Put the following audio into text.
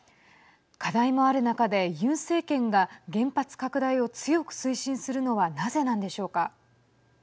課題もある中でユン政権が原発拡大を強く推進するのはなぜなんでしょうか。